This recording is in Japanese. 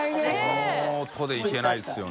この音でいけないですよね。